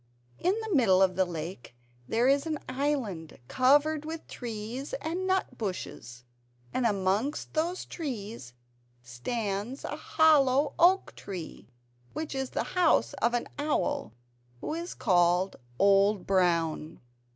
In the middle of the lake there is an island covered with trees and nut bushes; and amongst those trees stands a hollow oak tree, which is the house of an owl who is called Old Brown.